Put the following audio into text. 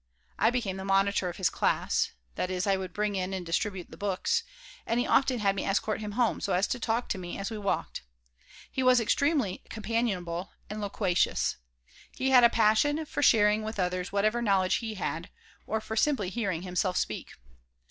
I became the monitor of his class (that is, I would bring in and distribute the books), and he often had me escort him home, so as to talk to me as we walked. He was extremely companionable and loquacious. He had a passion for sharing with others whatever knowledge he had, or simply for hearing himself speak.